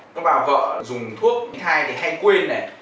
các bà vợ dùng thuốc tránh thai hay quên này